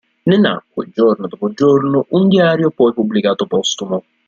Ne nacque, giorno dopo giorno, un diario poi pubblicato postumo.